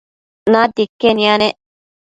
natia iquen yanec